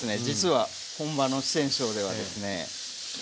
実は本場の四川省ではですね